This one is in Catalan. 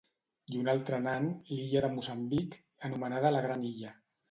I un altre nan, l'illa de Moçambic, anomenada la gran illa.